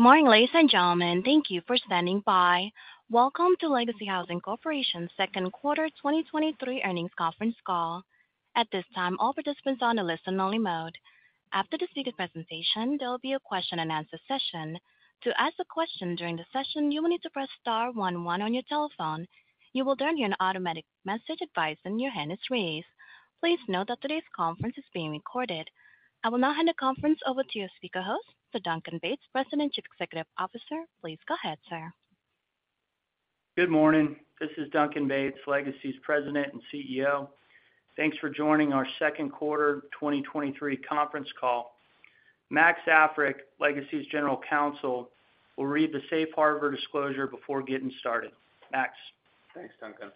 Good morning, ladies and gentlemen. Thank you for standing by. Welcome to Legacy Housing Corporation's second quarter 2023 earnings conference call. At this time, all participants are on a listen-only mode. After the speaker presentation, there will be a question-and-answer session. To ask a question during the session, you will need to press star one one on your telephone. You will hear an automatic message advising your hand is raised. Please note that today's conference is being recorded. I will now hand the conference over to your speaker host, Duncan Bates, President and Chief Executive Officer. Please go ahead, sir. Good morning. This is Duncan Bates, Legacy's President and CEO. Thanks for joining our second quarter 2023 conference call. Max Africk, Legacy's General Counsel, will read the Safe Harbor disclosure before getting started. Max? Thanks, Duncan.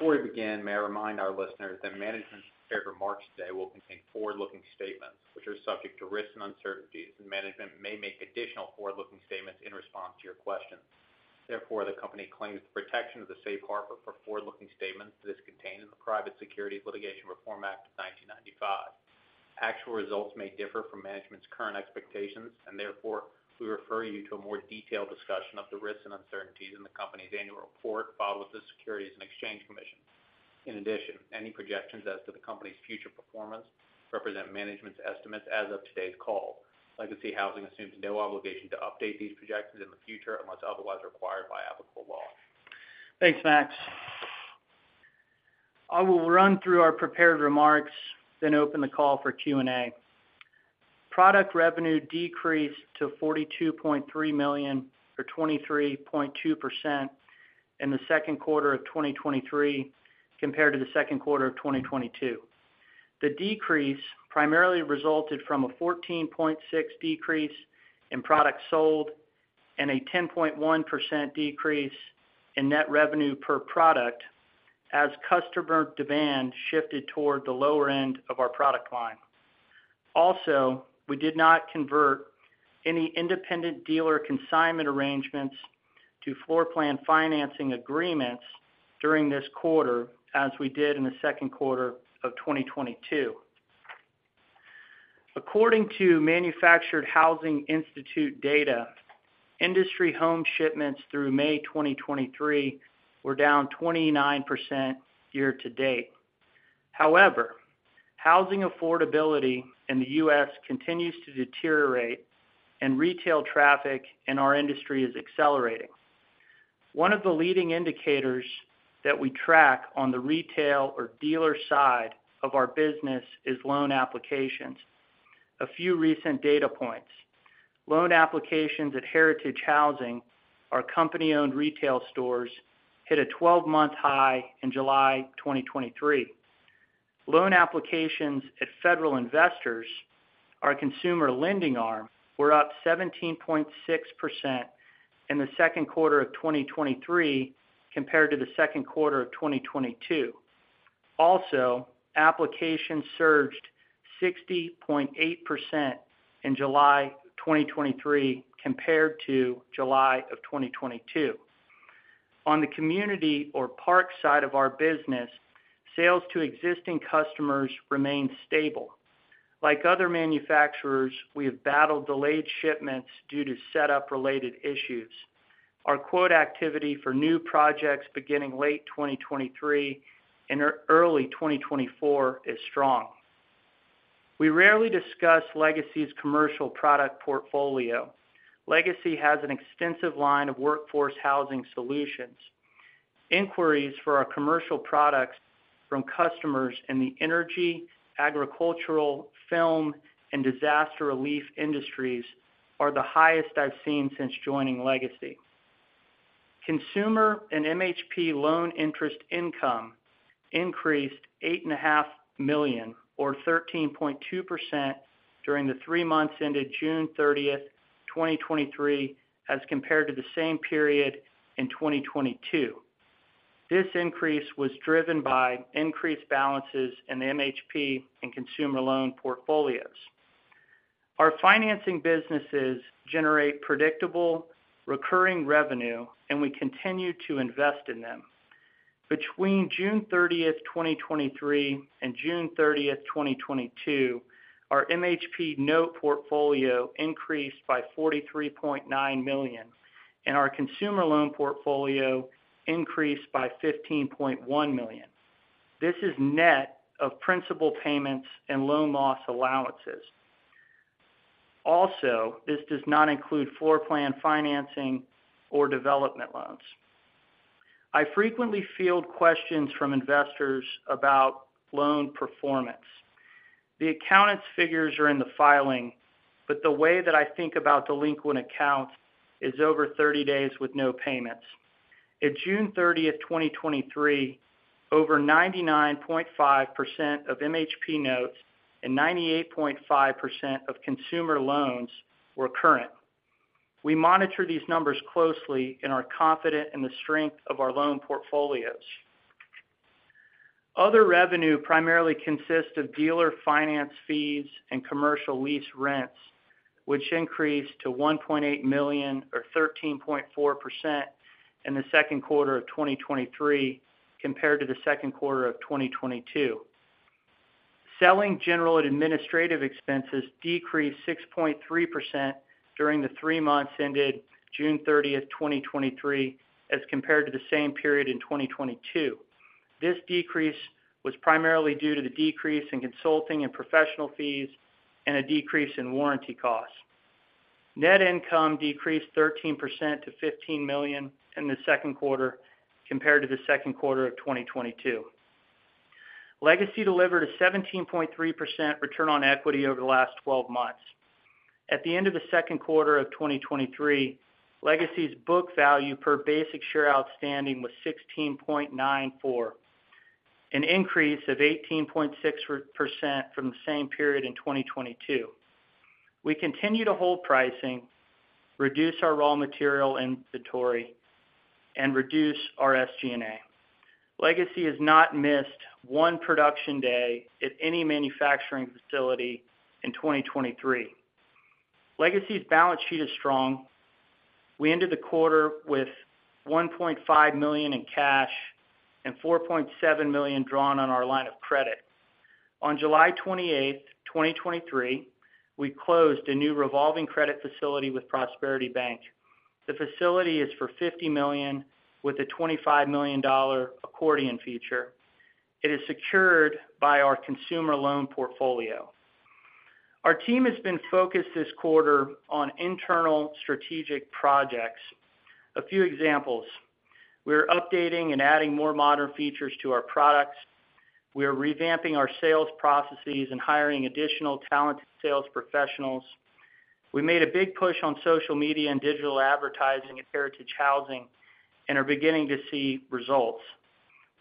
Before we begin, may I remind our listeners that management's prepared remarks today will contain forward-looking statements, which are subject to risks and uncertainties, and management may make additional forward-looking statements in response to your questions. Therefore, the company claims the protection of the Safe Harbor for forward-looking statements that is contained in the Private Securities Litigation Reform Act of 1995. Actual results may differ from management's current expectations, and therefore, we refer you to a more detailed discussion of the risks and uncertainties in the company's annual report filed with the Securities and Exchange Commission. In addition, any projections as to the company's future performance represent management's estimates as of today's call. Legacy Housing assumes no obligation to update these projections in the future unless otherwise required by applicable law. Thanks, Max. I will run through our prepared remarks, then open the call for Q&A. Product revenue decreased to $42.3 million, or 23.2% in the second quarter of 2023 compared to the second quarter of 2022. The decrease primarily resulted from a 14.6% decrease in products sold and a 10.1% decrease in net revenue per product as customer demand shifted toward the lower end of our product line. Also, we did not convert any independent dealer consignment arrangements to floor plan financing agreements during this quarter, as we did in the second quarter of 2022. According to Manufactured Housing Institute data, industry home shipments through May 2023 were down 29% year-to-date. However, housing affordability in the U.S. continues to deteriorate, and retail traffic in our industry is accelerating. One of the leading indicators that we track on the retail or dealer side of our business is loan applications. A few recent data points. Loan applications at Heritage Housing, our company-owned retail stores, hit a 12-month high in July 2023. Loan applications at Financial Services, our consumer lending arm, were up 17.6% in the second quarter of 2023 compared to the second quarter of 2022. Applications surged 60.8% in July 2023 compared to July of 2022. On the community or park side of our business, sales to existing customers remained stable. Like other manufacturers, we have battled delayed shipments due to setup-related issues. Our quote activity for new projects beginning late 2023 and early 2024 is strong. We rarely discuss Legacy's commercial product portfolio. Legacy has an extensive line of workforce housing solutions. Inquiries for our commercial products from customers in the energy, agricultural, film, and disaster relief industries are the highest I've seen since joining Legacy. Consumer and MHP loan interest income increased $8.5 million, or 13.2%, during the three months ended June 30th, 2023, as compared to the same period in 2022. This increase was driven by increased balances in the MHP and consumer loan portfolios. Our financing businesses generate predictable, recurring revenue, and we continue to invest in them. Between June 30th, 2023, and June 30th, 2022, our MHP note portfolio increased by $43.9 million, and our consumer loan portfolio increased by $15.1 million. This is net of principal payments and loan loss allowances. Also, this does not include floor plan financing or development loans. I frequently field questions from investors about loan performance. The accountants' figures are in the filing, but the way that I think about delinquent accounts is over 30 days with no payments. At June 30th, 2023, over 99.5% of MHP notes and 98.5% of consumer loans were current. We monitor these numbers closely and are confident in the strength of our loan portfolios. Other revenue primarily consists of dealer finance fees and commercial lease rents, which increased to $1.8 million, or 13.4%, in the second quarter of 2023 compared to the second quarter of 2022. Selling general and administrative expenses decreased 6.3% during the three months ended June 30th, 2023, as compared to the same period in 2022. This decrease was primarily due to the decrease in consulting and professional fees and a decrease in warranty costs. Net income decreased 13% to $15 million in the second quarter compared to the second quarter of 2022. Legacy delivered a 17.3% return on equity over the last 12 months. At the end of the second quarter of 2023, Legacy's book value per basic share outstanding was $16.94, an increase of 18.6% from the same period in 2022. We continue to hold pricing, reduce our raw material inventory, and reduce our SG&A. Legacy has not missed one production day at any manufacturing facility in 2023. Legacy's balance sheet is strong. We ended the quarter with $1.5 million in cash and $4.7 million drawn on our line of credit. On July 28, 2023, we closed a new revolving credit facility with Prosperity Bank. The facility is for $50 million, with a $25 million accordion feature. It is secured by our consumer loan portfolio. Our team has been focused this quarter on internal strategic projects. A few examples: We are updating and adding more modern features to our products. We are revamping our sales processes and hiring additional talented sales professionals. We made a big push on social media and digital advertising at Heritage Housing and are beginning to see results.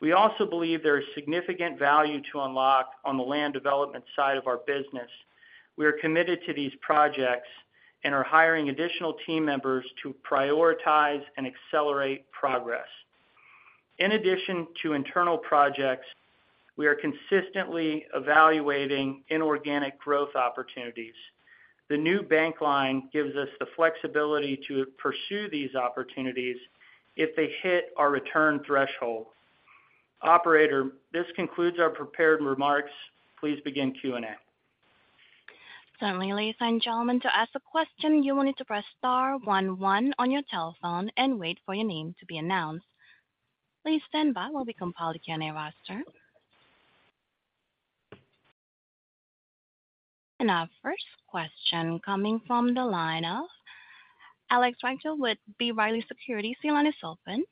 We also believe there is significant value to unlock on the land development side of our business. We are committed to these projects and are hiring additional team members to prioritize and accelerate progress. In addition to internal projects, we are consistently evaluating inorganic growth opportunities. The new bank line gives us the flexibility to pursue these opportunities if they hit our return threshold. Operator, this concludes our prepared remarks. Please begin Q&A. Certainly. Ladies and gentlemen, to ask a question, you will need to press star one, one on your telephone and wait for your name to be announced. Please stand by while we compile the Q&A roster. Our first question coming from the line of Alex Rygiel with B. Riley Securities. Your line is open.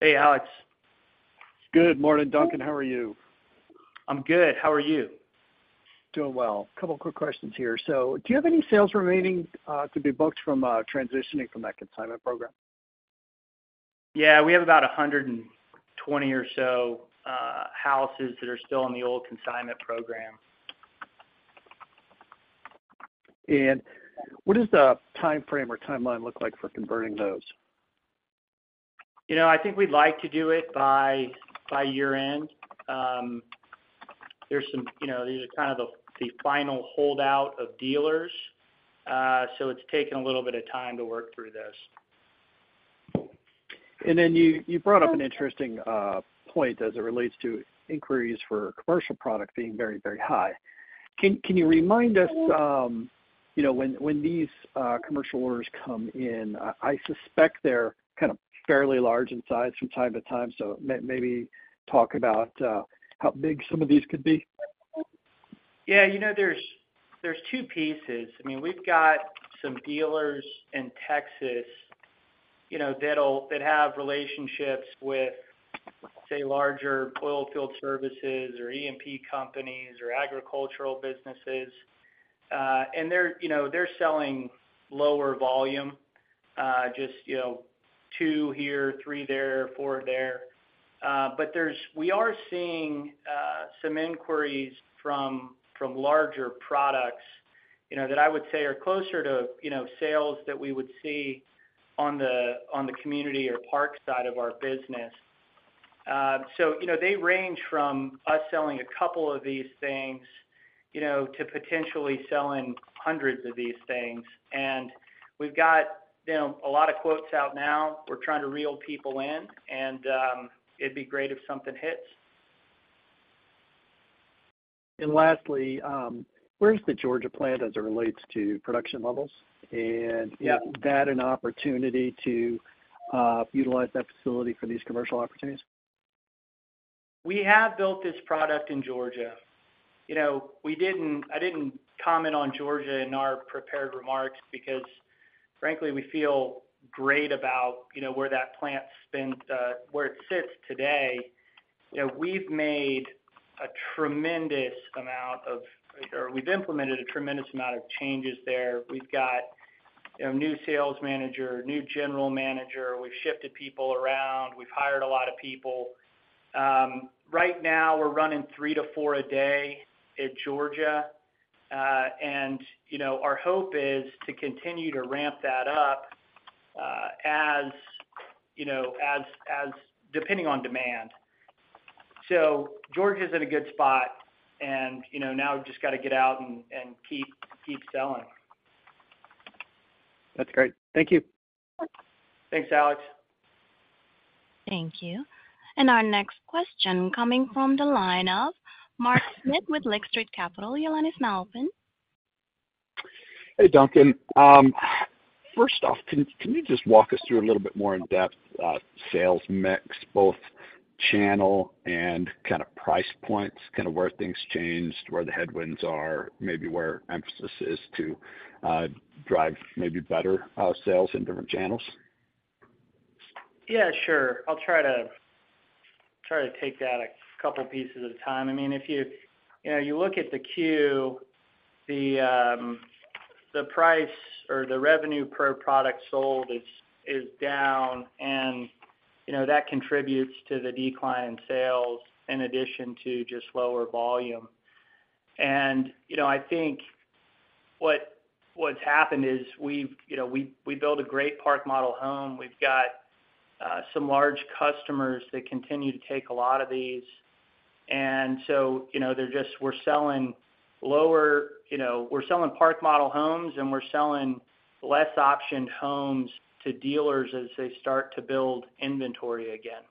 Hey, Alex. Good morning, Duncan. How are you? I'm good. How are you? Doing well. A couple quick questions here. Do you have any sales remaining to be booked from transitioning from that consignment program? Yeah, we have about 120 or so, houses that are still in the old consignment program. What does the timeframe or timeline look like for converting those? You know, I think we'd like to do it by, by year-end. There's some. You know, these are kind of the, the final holdout of dealers, so it's taken a little bit of time to work through this. Then you brought up an interesting point as it relates to inquiries for commercial product being very, very high. Can you remind us, you know, when these commercial orders come in, I suspect they're kind of fairly large in size from time to time, so maybe talk about how big some of these could be? Yeah, you know, there's, there's two pieces. I mean, we've got some dealers in Texas, you know, that have relationships with, say, larger oil field services or E&P companies or agricultural businesses. They're, you know, they're selling lower volume, just, you know, two here, three there, four there. We are seeing, some inquiries from, from larger products, you know, that I would say are closer to, you know, sales that we would see on the, on the community or park side of our business. You know, they range from us selling a couple of these things, you know, to potentially selling hundreds of these things. We've got, you know, a lot of quotes out now. We're trying to reel people in, and, it'd be great if something hits. Lastly, where's the Georgia plant as it relates to production levels? Yeah. Is that an opportunity to utilize that facility for these commercial opportunities? We have built this product in Georgia. You know, I didn't comment on Georgia in our prepared remarks because, frankly, we feel great about, you know, where that plant spends, where it sits today. You know, we've made a tremendous amount of, or we've implemented a tremendous amount of changes there. We've got a new sales manager, new general manager. We've shifted people around. We've hired a lot of people. Right now, we're running three to four a day at Georgia. And, you know, our hope is to continue to ramp that up, as, you know, as, as depending on demand. Georgia's in a good spot, and, you know, now we've just got to get out and, and keep, keep selling. That's great. Thank you. Thanks, Alex. Thank you. Our next question, coming from the line of Mark Smith with Lake Street Capital. Your line is now open. Hey, Duncan. first off, can, can you just walk us through a little bit more in-depth, sales mix, both channel and kind of price points, kind of where things changed, where the headwinds are, maybe where emphasis is to, drive maybe better, sales in different channels? Yeah, sure. I'll try to, try to take that a couple pieces at a time. I mean, if you, you know, you look at the Q, the price or the revenue per product sold is, is down. You know, that contributes to the decline in sales, in addition to just lower volume. You know, I think what, what's happened is we've built a great park model home. We've got some large customers that continue to take a lot of these. You know, they're just. We're selling lower, you know, we're selling park model homes, and we're selling less optioned homes to dealers as they start to build inventory again.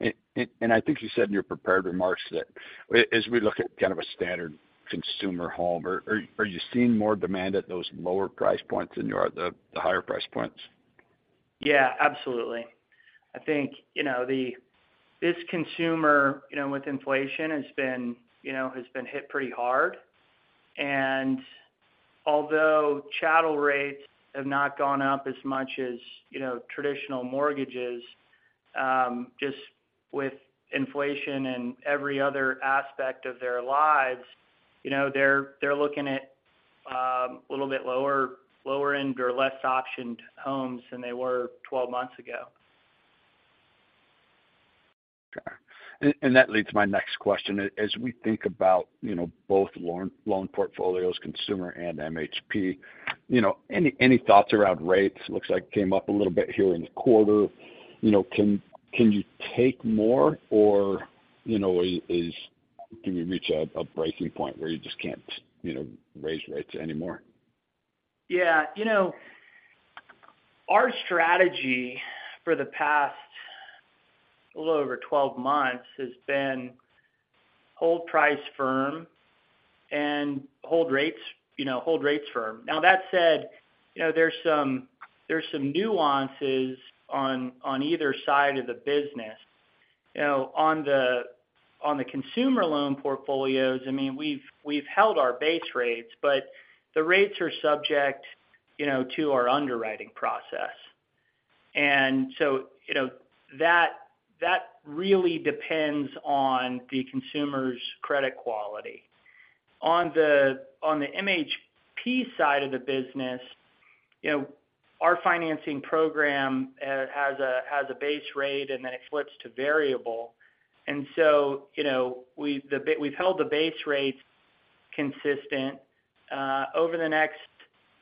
Okay. I think you said in your prepared remarks that as we look at kind of a standard consumer home, are you seeing more demand at those lower price points than you are the, the higher price points? Yeah, absolutely. I think, you know, this consumer, you know, with inflation has been, you know, has been hit pretty hard. And although chattel rates have not gone up as much as, you know, traditional mortgages, just with inflation and every other aspect of their lives, you know, they're, they're looking at a little bit lower, lower end or less optioned homes than they were 12 months ago. Okay. That leads to my next question. As, as we think about, you know, both loan, loan portfolios, consumer and MHP, you know, any, any thoughts around rates? It looks like it came up a little bit here in the quarter. You know, can, can you take more or, you know, Can you reach a, a breaking point where you just can't, you know, raise rates anymore? Yeah. You know, our strategy for the past, a little over 12 months, has been hold price firm and hold rates, you know, hold rates firm. That said, you know, there's some, there's some nuances on, on either side of the business. You know, on the, on the consumer loan portfolios, I mean, we've, we've held our base rates, the rates are subject, you know, to our underwriting process. You know, that, that really depends on the consumer's credit quality. On the, on the MHP side of the business, you know, our financing program has a, has a base rate, it flips to variable. You know, we've held the base rates consistent. Over the next,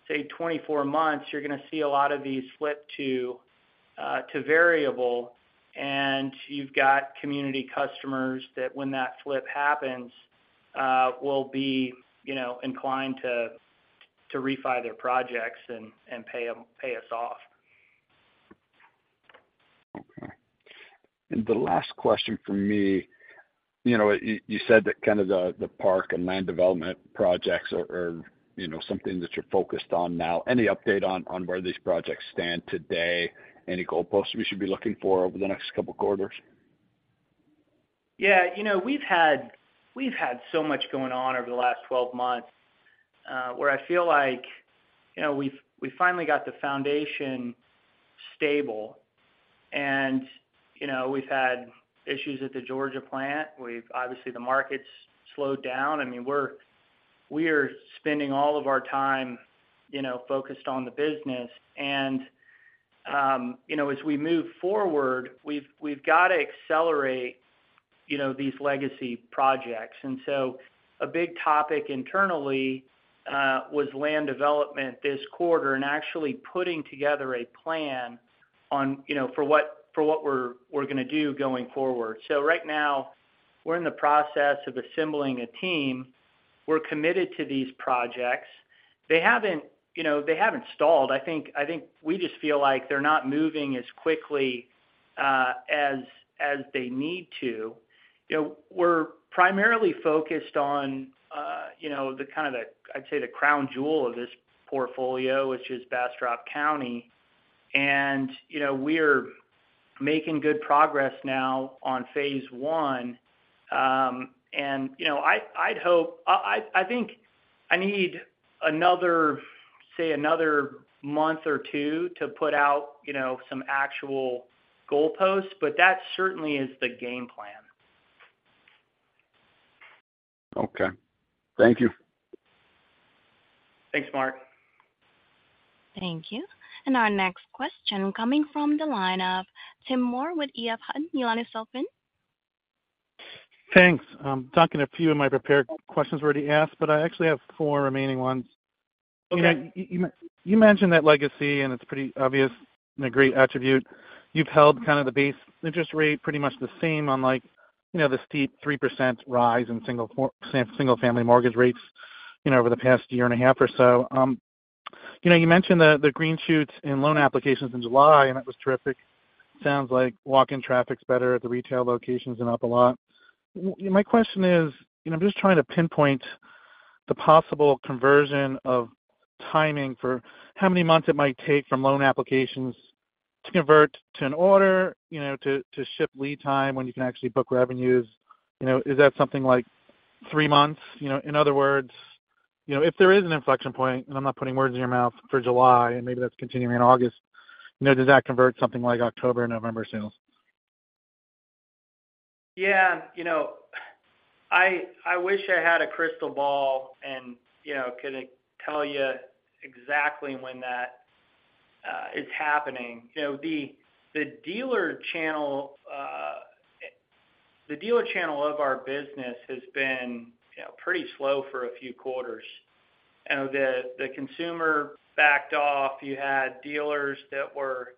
say, 24 months, you're going to see a lot of these flip to, to variable, and you've got community customers that, when that flip happens, will be, you know, inclined to, to refi their projects and pay us off. Okay. The last question from me, you know, you, you said that kind of the, the park and land development projects are, are, you know, something that you're focused on now. Any update on, on where these projects stand today? Any goalposts we should be looking for over the next couple quarters? Yeah, you know, we've had, we've had so much going on over the last 12 months, where I feel like, you know, we've, we finally got the foundation stable and, you know, we've had issues at the Georgia plant. We've. Obviously, the market's slowed down. I mean, we're, we are spending all of our time, you know, focused on the business. You know, as we move forward, we've, we've got to accelerate, you know, these Legacy projects. A big topic internally, was land development this quarter, and actually putting together a plan on, you know, for what, for what we're, we're going to do going forward. Right now, we're in the process of assembling a team. We're committed to these projects. They haven't, you know, they haven't stalled. I think, I think we just feel like they're not moving as quickly, as, as they need to. You know, we're primarily focused on, you know, the kind of the, I'd say, the crown jewel of this portfolio, which is Bastrop County. You know, we're making good progress now on phase one. You know, I'd, I'd hope. I think I need another, say, another month or two to put out, you know, some actual goalposts, but that certainly is the game plan. Okay. Thank you. Thanks, Mark. Thank you. Our next question coming from the line of Tim Moore with EF Hutton. Your line is open. Thanks. Duncan, a few of my prepared questions were already asked, but I actually have four remaining ones. Okay. You, you, you mentioned that Legacy, and it's pretty obvious, and a great attribute. You've held kind of the base interest rate pretty much the same on, like, you know, the steep 3% rise in single-family mortgage rates, you know, over the past year and a half or so. You know, you mentioned the, the green shoots in loan applications in July, and that was terrific. Sounds like walk-in traffic's better at the retail locations and up a lot. My question is, you know, I'm just trying to pinpoint the possible conversion of timing for how many months it might take from loan applications to convert to an order, you know, to, to ship lead time when you can actually book revenues. You know, is that something like three months? You know, in other words, you know, if there is an inflection point, and I'm not putting words in your mouth, for July, and maybe that's continuing in August, you know, does that convert something like October, November sales? Yeah. You know, I, I wish I had a crystal ball and, you know, could tell you exactly when that is happening. You know, the, the dealer channel, the dealer channel of our business has been, you know, pretty slow for a few quarters. You know, the, the consumer backed off. You had dealers that were,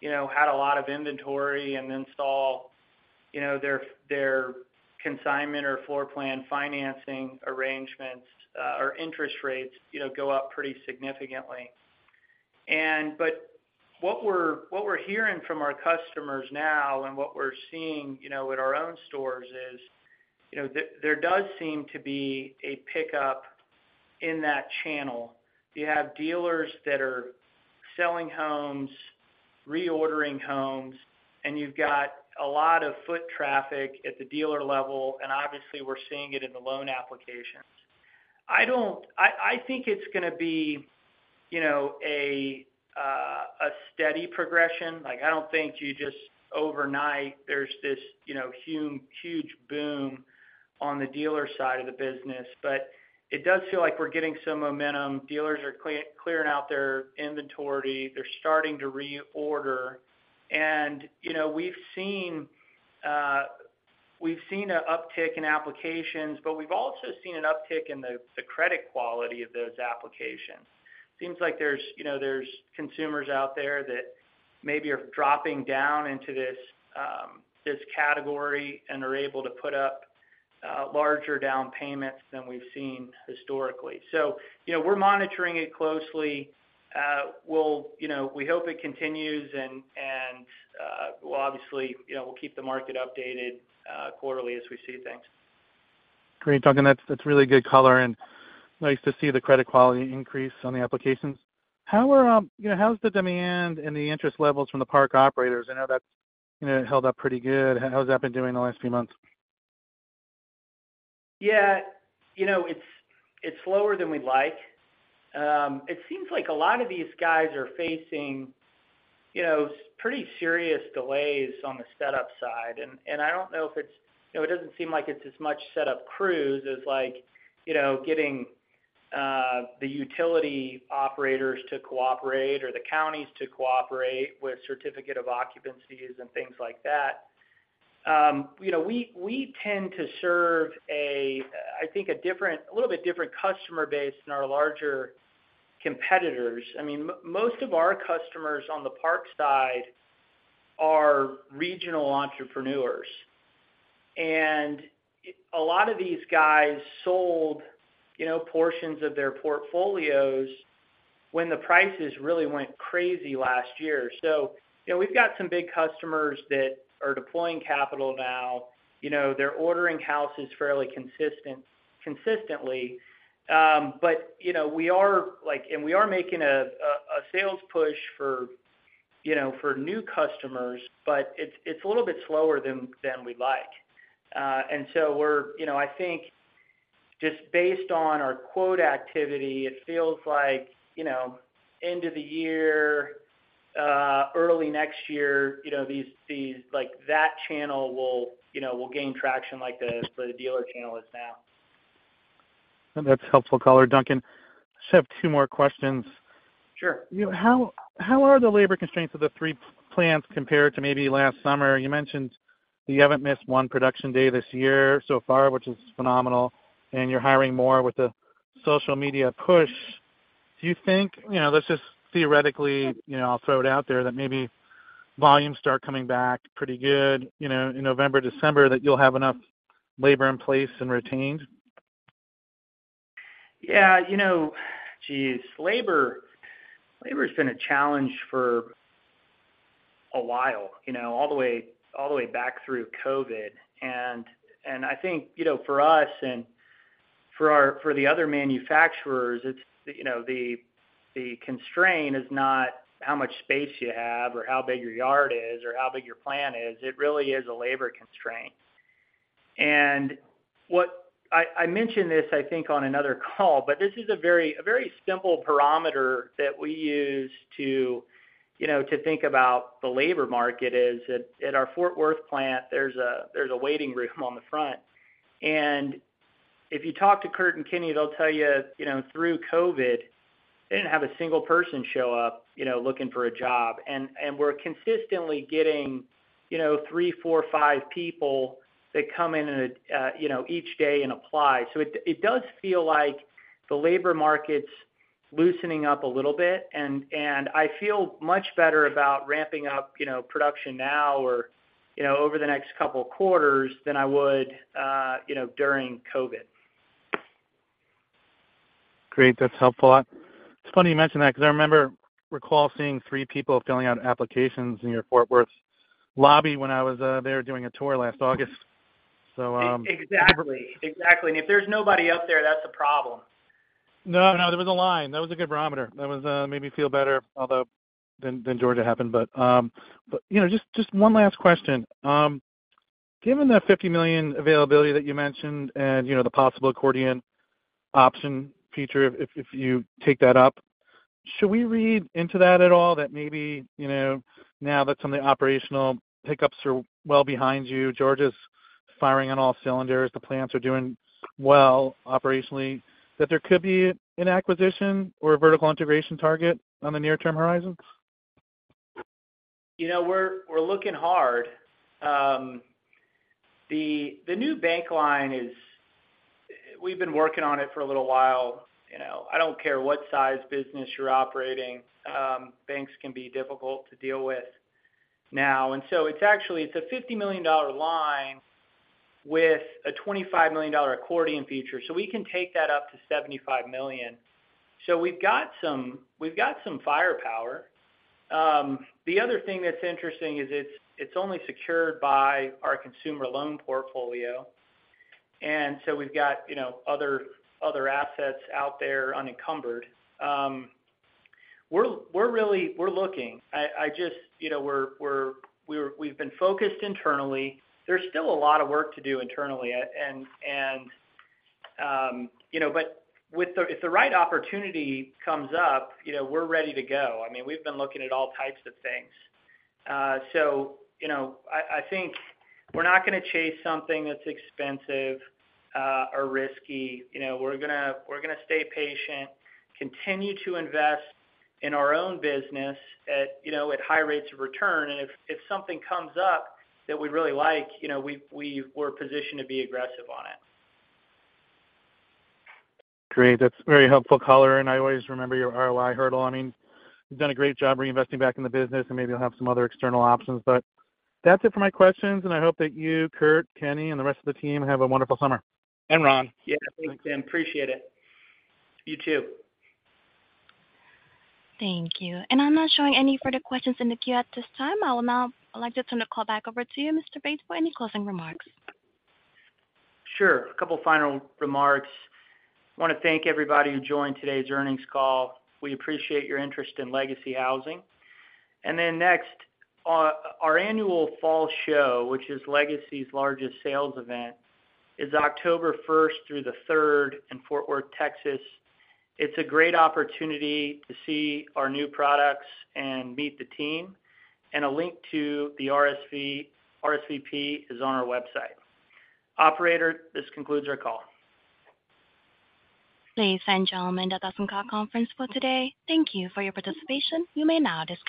you know, had a lot of inventory and install, you know, their, their consignment or floor plan financing arrangements, or interest rates, you know, go up pretty significantly. What we're, what we're hearing from our customers now and what we're seeing, you know, at our own stores is, you know, there does seem to be a pickup in that channel. You have dealers that are selling homes, reordering homes. You've got a lot of foot traffic at the dealer level. Obviously, we're seeing it in the loan applications. I think it's gonna be, you know, a steady progression. Like, I don't think you just overnight, there's this, you know, huge boom on the dealer side of the business. It does feel like we're getting some momentum. Dealers are clearing out their inventory. They're starting to reorder. You know, we've seen we've seen a uptick in applications. We've also seen an uptick in the credit quality of those applications. Seems like there's, you know, there's consumers out there that maybe are dropping down into this category. Are able to put up larger down payments than we've seen historically. You know, we're monitoring it closely. We'll, you know, we hope it continues, and, and, we'll obviously, you know, we'll keep the market updated, quarterly as we see things. Great, Duncan. That's, that's really good color, and nice to see the credit quality increase on the applications. How are, you know, how's the demand and the interest levels from the park operators? I know that, you know, held up pretty good. How's that been doing in the last few months? Yeah, you know, it's, it's slower than we'd like. It seems like a lot of these guys are facing, you know, pretty serious delays on the setup side, and, and I don't know if it's you know, it doesn't seem like it's as much setup crews as like, you know, getting the utility operators to cooperate or the counties to cooperate with certificates of occupancy and things like that. You know, we, we tend to serve a, I think, a different, a little bit different customer base than our larger competitors. I mean, most of our customers on the park side are regional entrepreneurs. A lot of these guys sold, you know, portions of their portfolios when the prices really went crazy last year. You know, we've got some big customers that are deploying capital now. You know, they're ordering houses fairly consistently. You know, we are, like. And we are making a sales push for, you know, for new customers, but it's a little bit slower than we'd like. You know, I think, just based on our quote activity, it feels like, you know, end of the year, early next year, you know, these, like, that channel will, you know, will gain traction like the dealer channel is now. That's helpful color, Duncan. Just have two more questions. Sure. You know, how, how are the labor constraints of the three plants compared to maybe last summer? You mentioned that you haven't missed one production day this year so far, which is phenomenal, and you're hiring more with the social media push. Do you think, you know, let's just theoretically, you know, I'll throw it out there, that maybe volumes start coming back pretty good, you know, in November, December, that you'll have enough labor in place and retained? Yeah, you know, geez, labor, labor's been a challenge for a while, you know, all the way, all the way back through COVID. I think, you know, for us and for the other manufacturers, it's, you know, the, the constraint is not how much space you have or how big your yard is, or how big your plant is. It really is a labor constraint. What I, I mentioned this, I think, on another call, but this is a very, a very simple parameter that we use to, you know, to think about the labor market is, at, at our Fort Worth plant, there's a, there's a waiting room on the front. If you talk to Kurt and Kenny, they'll tell you, you know, through COVID, they didn't have a single person show up, you know, looking for a job. We're consistently getting, you know, three, four, five people that come in and, you know, each day and apply. It, it does feel like the labor market's loosening up a little bit, and, and I feel much better about ramping up, you know, production now or, you know, over the next couple of quarters than I would, you know, during COVID. Great, that's helpful. It's funny you mention that, because I remember, recall seeing three people filling out applications in your Fort Worth lobby when I was there doing a tour last August. Exactly. Exactly, and if there's nobody out there, that's a problem. No, no, there was a line. That was a good barometer. That was made me feel better, although than, than Georgia happened. You know, just, just one last question. Given the $50 million availability that you mentioned and, you know, the possible accordion option feature, if, if you take that up, should we read into that at all, that maybe, you know, now that some of the operational pickups are well behind you, Georgia's firing on all cylinders, the plants are doing well operationally, that there could be an acquisition or a vertical integration target on the near-term horizons? You know, we're, we're looking hard. We've been working on it for a little while, you know. I don't care what size business you're operating, banks can be difficult to deal with now, and so it's actually, it's a $50 million line with a $25 million accordion feature, so we can take that up to $75 million. We've got some, we've got some firepower. The other thing that's interesting is it's, it's only secured by our consumer loan portfolio, and so we've got, you know, other, other assets out there unencumbered. We're, we're looking. I, I just, you know, we've been focused internally. There's still a lot of work to do internally. You know, but if the right opportunity comes up, you know, we're ready to go. I mean, we've been looking at all types of things. You know, I, I think we're not going to chase something that's expensive, or risky. You know, we're gonna, we're gonna stay patient, continue to invest in our own business at, you know, at high rates of return. If, if something comes up that we really like, you know, we, we're positioned to be aggressive on it. Great, that's very helpful, color. I always remember your ROI hurdle. I mean, you've done a great job reinvesting back in the business, and maybe you'll have some other external options. That's it for my questions. I hope that you, Kurt, Kenny, and the rest of the team have a wonderful summer. Ron. Yeah, thanks, Tim. Appreciate it. You too. Thank you. I'm not showing any further questions in the queue at this time. I'd now like to turn the call back over to you, Mr. Bates, for any closing remarks. Sure, a couple final remarks. I want to thank everybody, who joined today's earnings call. We appreciate your interest in Legacy Housing. Next, our annual fall show, which is Legacy's largest sales event, is October first through the third in Fort Worth, Texas. It's a great opportunity to see our new products and meet the team, a link to the RSVP is on our website. Operator, this concludes our call. Ladies and gentlemen, that does end our conference call today. Thank you for your participation. You may now disconnect.